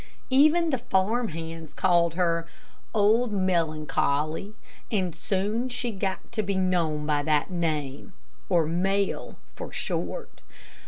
Even the farm hands called her "Old Melancholy," and soon she got to be known by that name, or Mel, for short.